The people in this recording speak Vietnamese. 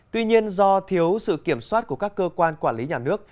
tuy nhiên do thiếu sự kiểm soát của các cơ quan quản lý nhà nước